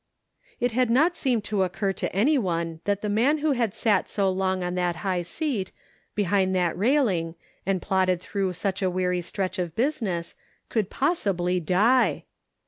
It had not seemed to occur to any one that the man who had sat so long on that high seat, behind that railing, and plodded through such a weary stretch of business, could possibly die